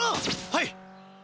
はい！